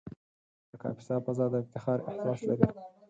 د کاپیسا فضا د افتخار احساس لري.